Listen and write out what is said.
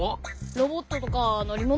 ロボットとかのりもの？